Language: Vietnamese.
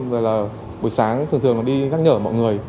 rồi là buổi sáng thường thường thường đi nhắc nhở mọi người